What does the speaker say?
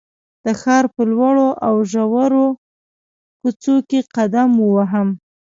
د ښار په لوړو او ژورو کوڅو کې قدم ووهم.